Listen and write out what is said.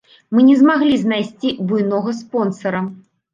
Мы не змаглі знайсці буйнога спонсара.